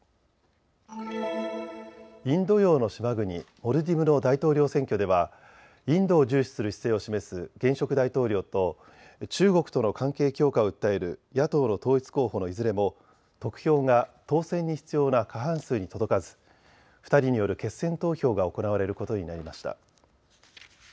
インド洋の島国モルディブの大統領選挙ではインドを重視する姿勢を示す現職大統領と中国との関係強化を訴える野党の統一候補のいずれも得票が当選に必要な過半数に届かず２人による決選投票が行われることになりました。